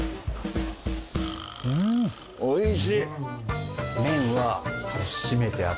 うんおいしい。